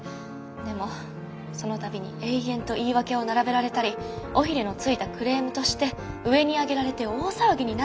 でもその度に延々と言い訳を並べられたり尾ひれの付いたクレームとして上にあげられて大騒ぎになったり。